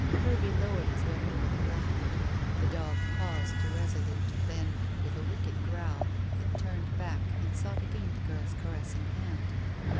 Hervey lowered his weapon with a laugh. The dog paused irresolute, then, with a wicked growl, it turned back and sought again the girl's caressing hand.